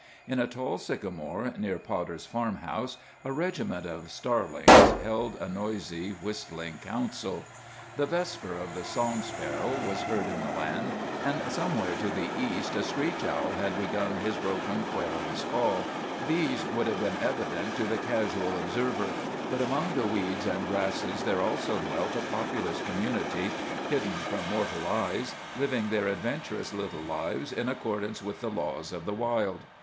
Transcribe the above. In a tall sycamore near Potter's farmhouse a regiment of starlings held a noisy, whistling council. The vesper of the song sparrow was heard in the land, and somewhere to the east a screech owl had begun his broken, querulous call. These would have been evident to the casual observer; but among the weeds and grasses there also dwelt a populous community, hid 115 n6 ISHMAEL den from mortal eyes, living their adventurous little lives in accordance with the laws of the wild.